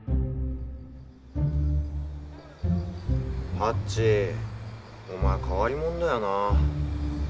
ハッチお前変わり者だよな。